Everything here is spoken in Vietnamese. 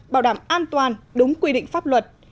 bảo đảm an toàn đúng quy định pháp luật